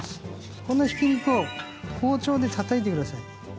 このひき肉を包丁で叩いてください。